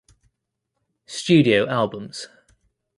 Studio Albums